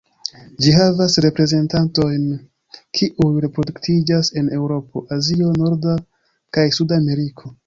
Ĝi havas reprezentantojn kiuj reproduktiĝas en Eŭropo, Azio, Norda, kaj Sud-Ameriko.